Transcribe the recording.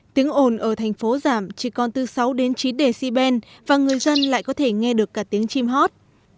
tiếng ồn ở thành phố giảm chỉ còn từ sáu đến chín decibel và người dân lại có thể nghe được cả tiếng chim hót